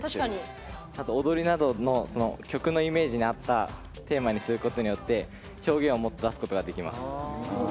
踊りなどの曲のイメージに合ったテーマにすることによって表現をもっと出すことができます。